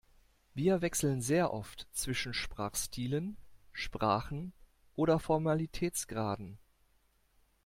Wir wechseln sehr oft zwischen Sprachstilen, Sprachen oder Formalitätsgraden.